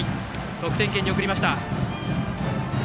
得点圏に送りました。